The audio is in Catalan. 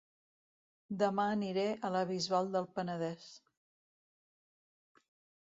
Dema aniré a La Bisbal del Penedès